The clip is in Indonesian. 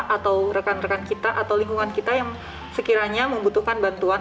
atau rekan rekan kita atau lingkungan kita yang sekiranya membutuhkan bantuan